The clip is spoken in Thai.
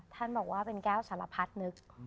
ท่านบอกว่าเป็นแก้วสารพัดนึก